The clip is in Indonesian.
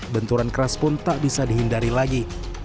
benturan keras pun tak bisa dihindari lagi